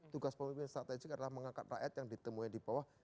tugas pemimpin strategik adalah mengangkat rakyat yang ditemui di bawah